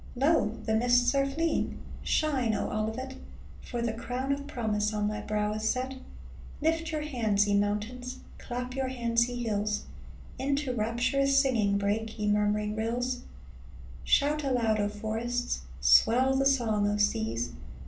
Lo ! the mists are fleeing ! Shine, O Olivet, For the crown of promise On thy brow is set ! Lift your heads, ye mountains ! Clap your hands, ye hills ! Into rapturous singing Break, ye murmuring rills ! Shout aloud, O forests ! Swell the song, O seas